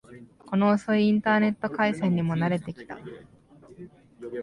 この遅いインターネット回線にも慣れてきた